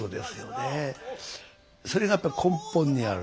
それがやっぱり根本にある。